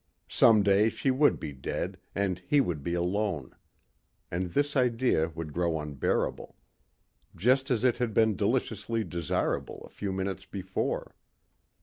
Someday she would be dead and he would be alone. And this idea would grow unbearable. Just as it had been deliciously desirable a few minutes before.